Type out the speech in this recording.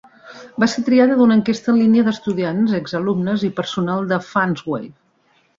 Va ser triada d'una enquesta en línia d'estudiants, ex-alumnes i personal de Fanshawe.